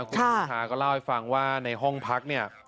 คุณพิธาก็เล่าให้ฟังว่าในห้องพักเนี่ย